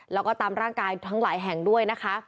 แล้วก็ตามร่างกายทั้งหลายแห่งด้วยนะคะ